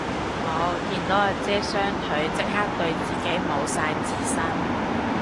無，見到阿姐雙腿即刻對自己無晒自信